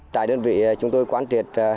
tại đơn vị chúng tôi quán triệt